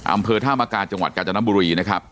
อำเภอธามกาจังหวัดกาญจนบุรีนะครับ